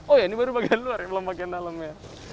oh ya ini baru bagian luar ya belum bagian dalamnya